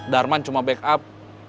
darman cuma backup